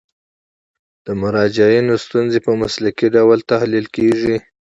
د مراجعینو ستونزې په مسلکي ډول تحلیل کیږي.